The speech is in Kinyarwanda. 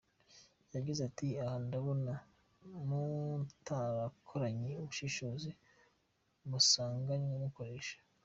Yagize ati “Aha ndabona mutarakoranye ubushishozi musanganywe mukoresha.